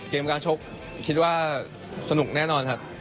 เกมการชกคิดว่าสนุกแน่นอนครับ